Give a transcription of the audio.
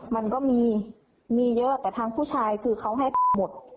มันก็มีมีเยอะแต่ทางผู้ชายคือเขาให้หมด